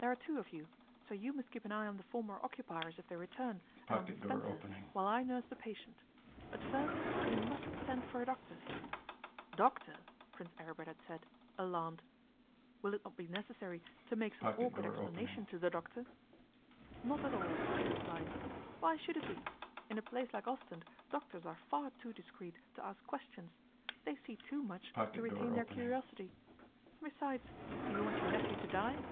There are two of you, so you must keep an eye on the former occupiers, if they return, and on Miss Spencer, while I nurse the patient. But first, you must send for a doctor.' 'Doctor!' Prince Aribert had said, alarmed. 'Will it not be necessary to make some awkward explanation to the doctor?' 'Not at all!' she replied. 'Why should it be? In a place like Ostend doctors are far too discreet to ask questions; they see too much to retain their curiosity. Besides, do you want your nephew to die?